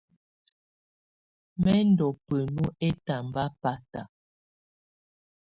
Mɛ́ ndɔ́ bǝ́nu ɛtamba báta.